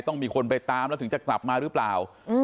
ต้องมีคนไปตามแล้วถึงจะกลับมาหรือเปล่า